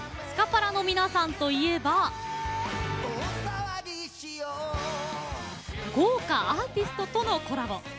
スカパラの皆さんといえば豪華アーティストとのコラボ。